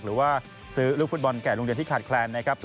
หรือว่าซื้อลูกฟุตบอลแก่โรงเรียนที่ขาดแคลนนะครับ